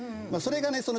それがね